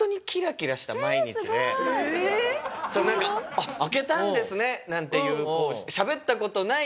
「あっ開けたんですね」なんていう。